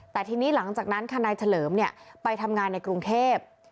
แต่ทีนี้หลังจากนั้นค่ะนายเฉลิมไปทำงานในกรุงเทพ